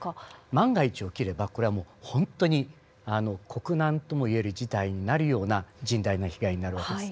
万が一起きればこれは本当に国難とも言える事態になるような甚大な被害になる訳です。